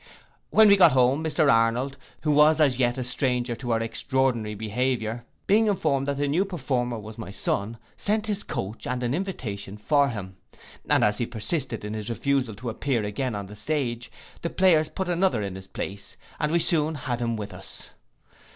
When got home, Mr Arnold, who was as yet a stranger to our extraordinary behaviour, being informed that the new performer was my son, sent his coach, and an invitation, for him; and as he persisted in his refusal to appear again upon the stage, the players put another in his place, and we soon had him with us.